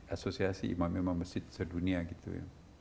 asosiasi imam imam masjid sedunia gitu ya